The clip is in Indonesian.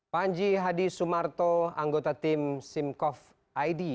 panji hadi sumarto anggota tim simkov id